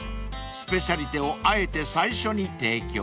［スペシャリテをあえて最初に提供］